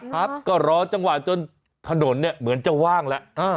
ครับก็รอจังหวะจนถนนเนี่ยเหมือนจะว่างแล้ว